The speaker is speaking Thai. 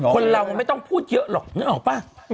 คนเรามันไม่ต้องพูดเยอะหรอกนึกออกป่ะ